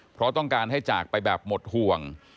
เพราะต้องการให้จากไปแบบหมดห่วง